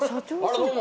どうも。